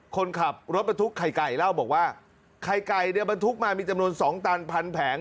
คนขับรถบรรทุกไข่ไก่เล่าบอกว่าไข่ไก่เนี่ยบรรทุกมามีจำนวน๒ตันพันแผง